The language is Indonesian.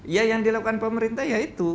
ya yang dilakukan pemerintah ya itu